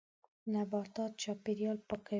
نباتات چاپېریال پاکوي.